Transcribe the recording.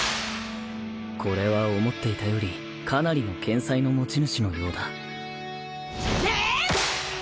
これは思っていたよりかなりの剣才の持ち主のようだめーん！